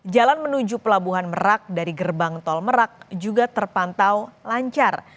jalan menuju pelabuhan merak dari gerbang tol merak juga terpantau lancar